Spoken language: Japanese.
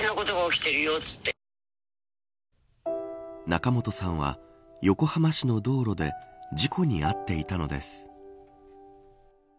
仲本さんは横浜市の道路で事故に遭っていたのです。